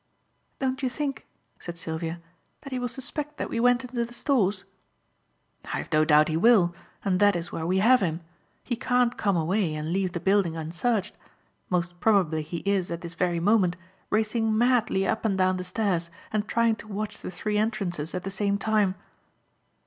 "Don't you think," said Sylvia, "that he will suspect that we went into the Stores?" "I have no doubt he will, and that is where we have him. He can't come away and leave the building unsearched. Most probably he is, at this very moment, racing madly up and down the stairs and trying to watch the three entrances at the same time."